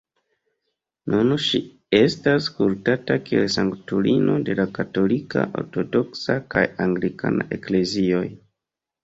Nun ŝi estas kultata kiel sanktulino de la Katolika, Ortodoksa kaj Anglikana Eklezioj.